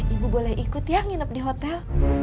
ibu boleh ikut ya nginep di hotel